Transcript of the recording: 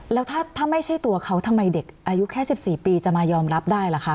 แล้วถ้าไม่ใช่ตัวเขาทำไมเด็กอายุแค่๑๔ปีจะมายอมรับได้ล่ะคะ